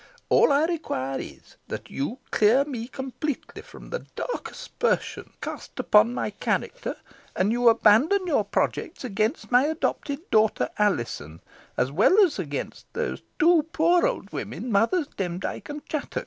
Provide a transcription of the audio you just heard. All I require is, that you clear me completely from the dark aspersions cast upon my character, and you abandon your projects against my adopted daughter, Alizon, as well as against those two poor old women, Mothers Demdike and Chattox."